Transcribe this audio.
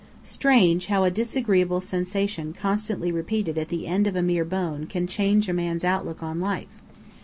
Strange, how a disagreeable sensation constantly repeated at the end of a mere bone can change a man's outlook on life!